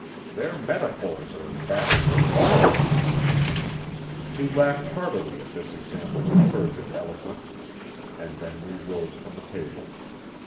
Their metaphors are as bad as their morals. He laughed heartily at this example of fervid eloquence, and then we rose from the table.